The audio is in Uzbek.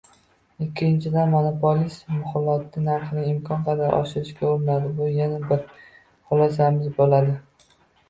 Ikkinchidan, monopolist muxsuloti narxini imkon qadar oshirishga urinadi – bu yana bir xulosamiz bo‘ldi.